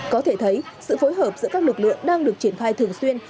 có thể thấy sự phối hợp giữa các lực lượng đang được triển khai thường xuyên